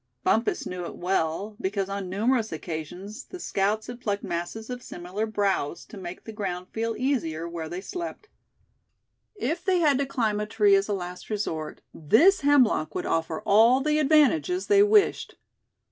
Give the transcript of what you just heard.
Bumpus knew it well, because on numerous occasions the scouts had plucked masses of similar "browse," to make the ground feel easier where they slept. If they had to climb a tree as a last resort, this hemlock would offer all the advantages they wished.